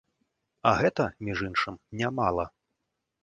А гэта, між іншым, нямала!